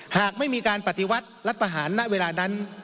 หากไม่มีการปฏิวัติรัฐประหารณเวลานั้น